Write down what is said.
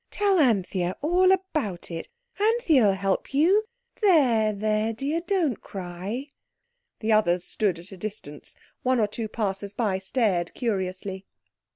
"Tell Anthea all about it; Anthea'lll help you. There, there, dear, don't cry." The others stood at a distance. One or two passers by stared curiously.